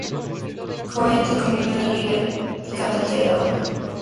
Koen se convirtió en el líder y cantante de la banda.